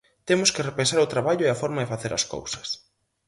Temos que repensar o traballo e a forma de facer as cousas.